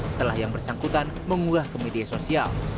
setelah yang bersangkutan mengunggah ke media sosial